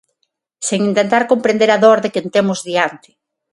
Sen intentar comprender a dor de quen temos diante.